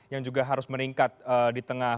yang juga harus meningkat di tengah